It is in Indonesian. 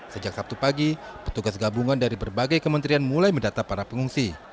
sejak sabtu pagi petugas gabungan dari berbagai kementerian mulai mendata para pengungsi